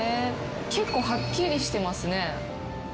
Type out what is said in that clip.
結構はっきりしてますね。